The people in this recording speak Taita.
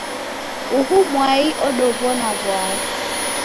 Uhu mwai odow'ona w'aya.